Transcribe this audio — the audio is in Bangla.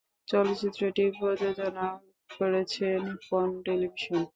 চলচ্চিত্রটি প্রযোজনা করেছে নিপ্পন টেলিভিশন।